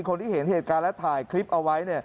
คนที่เห็นเหตุการณ์และถ่ายคลิปเอาไว้